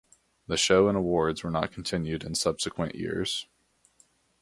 The show and awards were not continued in subsequent years.